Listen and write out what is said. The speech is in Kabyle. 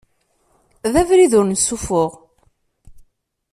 D abrid ur nessufuɣ.